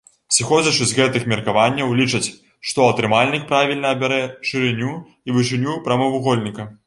Сыходзячы з гэтых меркаванняў, лічаць, што атрымальнік правільна абярэ шырыню і вышыню прамавугольніка.